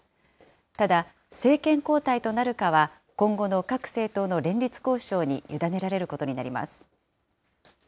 ただ、政権交代となるかは今後の各政党の連立交渉に委ねられることになります。